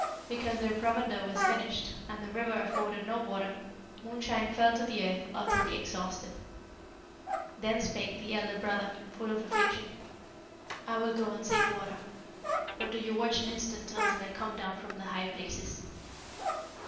Because their provender was finished, and the river afforded no water, Moonshine fell to the earth utterly exhausted. Then spake the elder brother, full of affliction, 'I will go and seek water; but do you watch an instant until I come down from the high places.'